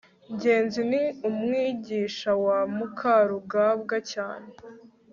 ngenzi ni umwigisha wa mukarugambwa cyane